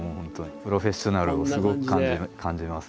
プロフェッショナルをすごく感じます。